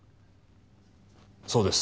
そうです。